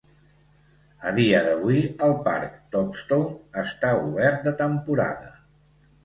A dia d'avui el parc Topstone està obert de temporada.